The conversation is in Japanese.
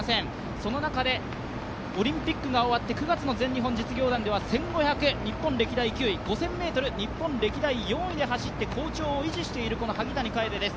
その中で、オリンピックが終わって９月の全日本実業団では１５００、日本歴代９位を走って、好調を維持している萩谷楓です。